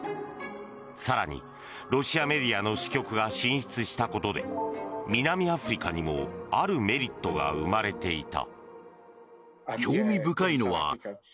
更に、ロシアメディアの支局が進出したことで南アフリカにもあるメリットが生まれていた。